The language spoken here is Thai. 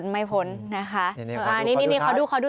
ไม่พ้นนะคะ